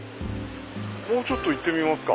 もうちょっと行ってみますか。